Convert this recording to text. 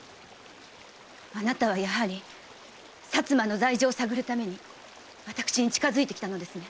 あなたはやはり薩摩の罪状を探るために私に近づいてきたのですね。